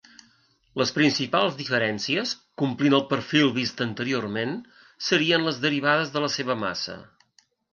Les principals diferències, complint el perfil vist anteriorment, serien les derivades de la seva massa.